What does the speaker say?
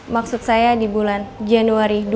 maksud saya di bulan januari dua ribu dua puluh